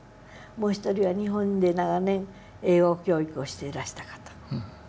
もう一人は日本で長年英語教育をしていらした方。